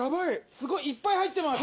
すごいいっぱい入ってます。